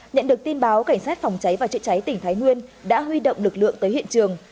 nhận được tin báo cảnh sát phòng cháy và chữa cháy tỉnh thái nguyên đã huy động lực lượng tới hiện trường